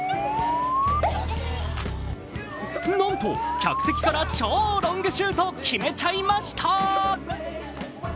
なんと客席から超ロングシュート決めちゃいました。